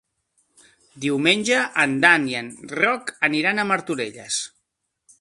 Diumenge en Dan i en Roc aniran a Martorelles.